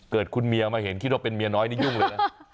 คุณเมียมาเห็นคิดว่าเป็นเมียน้อยนี่ยุ่งเลยนะ